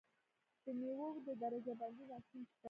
د میوو د درجه بندۍ ماشین شته؟